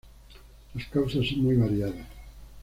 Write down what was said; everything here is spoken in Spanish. Las causas son muy variadas.